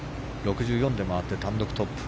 ６４で回って単独トップ。